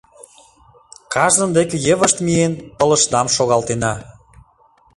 Кажнын деке йывышт миен, пылышнам шогалтена.